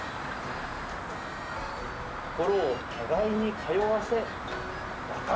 「心を互いに通わせ和解」。